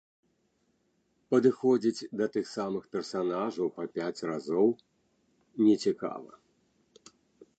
Падыходзіць да тых самых персанажаў па пяць разоў нецікава.